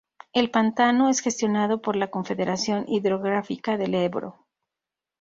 El pantano es gestionado por la Confederación Hidrográfica del Ebro.